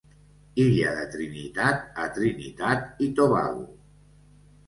Illa de Trinitat a Trinitat i Tobago.